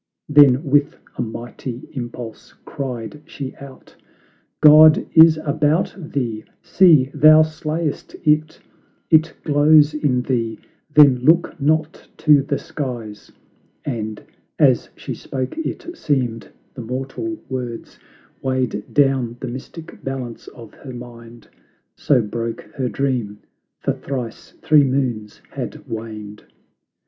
Then with a mighty impulse, cried she out, "God is about thee, see thou slayest It; It glows in thee, then look not to the skies:" And as she spoke it seemed the mortal words Weighed down the mystic balance of her mind; So broke her dream; for thrice three moons had waned!